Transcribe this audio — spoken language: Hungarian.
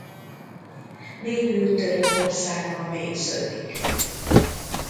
Végül Törökországban végződik.